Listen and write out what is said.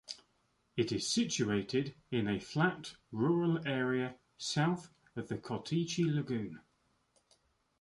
It is situated in a flat, rural area, south of the Kotychi lagoon.